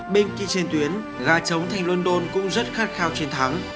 bên kia trên tuyến gà trống thành london cũng rất khát khao chiến thắng